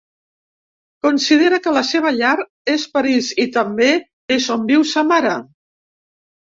Considera que la seva llar és París, i també és on viu sa mare.